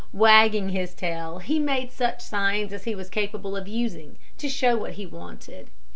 Wagging his tail, he made such signs as he was capable of using, to show what he wanted.